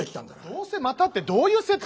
「どうせまた」ってどういう設定。